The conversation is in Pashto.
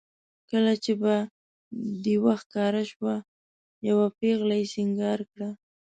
کله چې به دېو ښکاره شو یوه پېغله یې سینګار کړه.